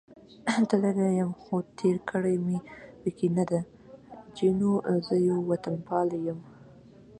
تللی یم، خو تېر کړې مې پکې نه ده، جینو: زه یو وطنپال یم.